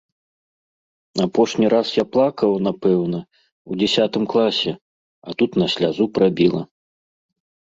Апошні раз я плакаў, напэўна, у дзясятым класе, а тут на слязу прабіла.